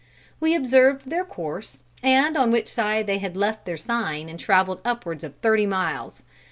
We observed their course, and on which side they had left their sign and traveled upwards of thirty miles.